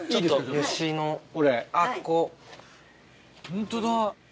ホントだ。